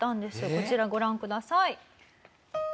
こちらご覧ください。